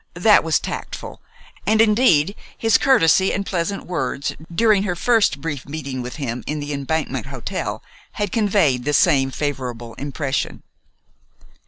That was tactful, and indeed his courtesy and pleasant words during her first brief meeting with him in the Embankment Hotel had conveyed the same favorable impression.